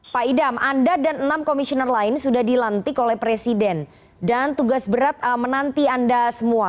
pak idam anda dan enam komisioner lain sudah dilantik oleh presiden dan tugas berat menanti anda semua